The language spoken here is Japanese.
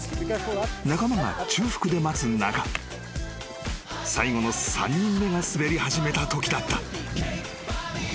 ［仲間が中腹で待つ中最後の３人目が滑り始めたときだった］